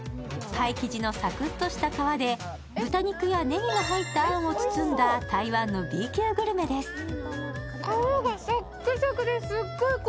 パイ生地のサクッとした皮で豚肉やねぎが入ったあんを包んだ台湾のＢ級グルメです。